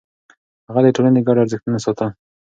هغه د ټولنې ګډ ارزښتونه ساتل.